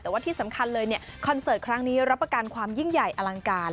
แต่ว่าที่สำคัญเลยคอนเสิร์ตครั้งนี้รับประกันความยิ่งใหญ่อลังการ